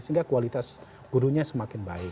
sehingga kualitas gurunya semakin baik